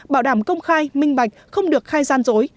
bảo đảm công khai minh bạch không được khai gian dối